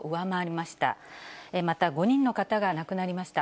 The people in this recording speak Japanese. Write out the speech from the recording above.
また５人の方が亡くなりました。